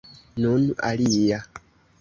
Nun alia!